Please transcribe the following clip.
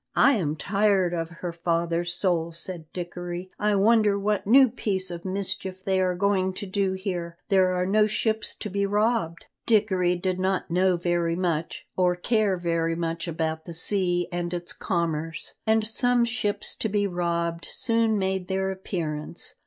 "I am tired of her father's soul," said Dickory. "I wonder what new piece of mischief they are going to do here; there are no ships to be robbed?" Dickory did not know very much, or care very much about the sea and its commerce, and some ships to be robbed soon made their appearance.